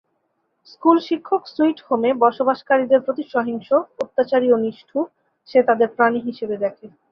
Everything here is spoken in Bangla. স্কুল শিক্ষক সুইট হোমে বসবাসকারীদের প্রতি সহিংস, অত্যাচারী ও নিষ্ঠুর, সে তাদের প্রাণি হিসেবে দেখে।